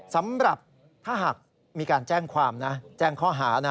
สำหรับถ้าหากมีการแจ้งความนะแจ้งข้อหานะ